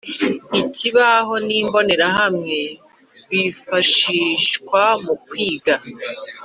Ikibaho n imbonerahamwe bifashishwa mu kwiga